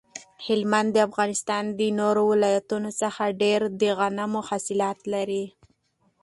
هلمند د افغانستان د نورو ولایتونو څخه ډیر د غنمو حاصلات لري